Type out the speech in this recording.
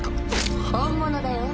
本物だよ。